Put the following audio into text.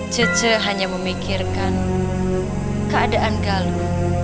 cece hanya memikirkan keadaan galuh